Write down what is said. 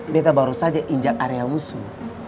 kita baru saja injak area musuh